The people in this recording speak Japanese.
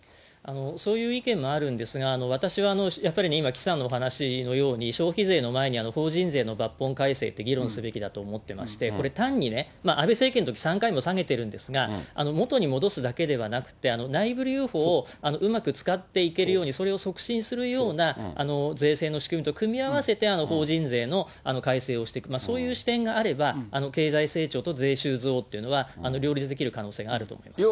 そういう意見もあるんですが、私はやっぱり今、岸さんのお話のように、消費税の前に法人税の抜本改正って議論すべきだと思ってまして、これ、単に、安倍政権のときに３回も下げてるんですが、元に戻すだけではなくて、内部留保をうまく使っていけるように、それを促進するような税制の仕組みと組み合わせて、法人税の改正をしていく、そういう視点があれば、経済成長と税収増というのは両立できる可能性があると思います。